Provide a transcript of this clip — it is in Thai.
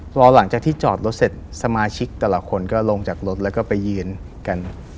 พอหลังจากที่จอดรถเสร็จสมาชิกแต่ละคนก็ลงจากรถแล้วก็ไปยืนกัน